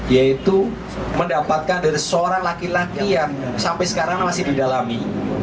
yaitu mendapatkan dari seorang laki laki yang sampai sekarang masih didalami